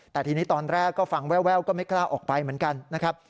แต่ทีนี้ตอนแรกก็ฟังแววก็ไม่กล้าออกไปเหมือนกันนะครับ